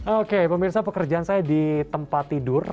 oke pemirsa pekerjaan saya di tempat tidur